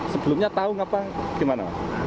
sebelumnya tau gak pak gimana pak